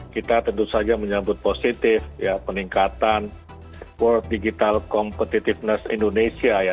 kita tentu saja menyambut positif ya peningkatan world digital competitiveness indonesia ya